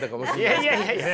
いやいやいやいや！